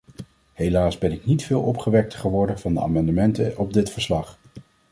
Helaas ben ik niet veel opgewekter geworden van de amendementen op dit verslag.